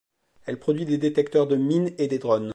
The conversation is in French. Elle produit des détecteurs de mines et des drones.